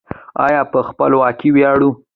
آیا په خپلواکۍ ویاړو؟